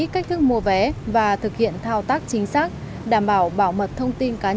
cách thức mua vé và thực hiện thao tác chính xác đảm bảo bảo mật thông tin cá nhân